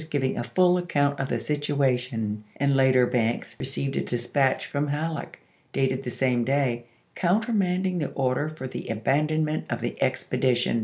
giving a full account of the situation, and later Banks received a dispatch from Halleck, dated the same day, countermanding the order for the aban donment of the expedition.